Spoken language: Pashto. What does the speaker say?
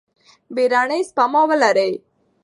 بیړنۍ سپما ولرئ.